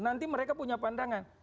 nanti mereka punya pandangan